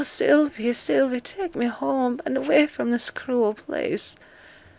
Sylvie, Sylvie, take me home, and away from this cruel place!'